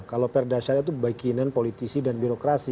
kalau perdasyariah itu bebaikinan politisi dan birokrasi